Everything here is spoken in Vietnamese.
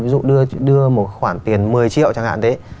ví dụ đưa một khoản tiền một mươi triệu chẳng hạn thế